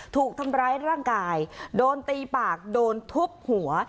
ถูกทำร้ายร่างกายโดนตีปากโดนทุบหัว